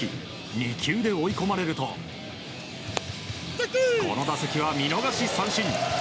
２球で追い込まれるとこの打席は見逃し三振。